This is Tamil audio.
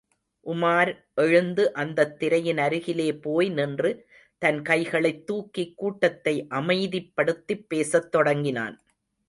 உமார் எழுந்து அந்தத் திரையின் அருகிலே போய் நின்று, தன் கைகளைத் தூக்கி கூட்டத்தை அமைதிப்படுத்திப் பேசத் தொடங்கினான்.